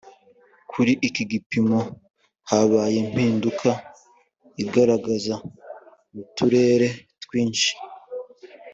kuri iki gipimo habaye impinduka igaragara mu turere twinshi